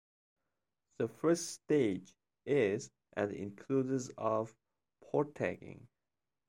The first stage is and includes of portaging.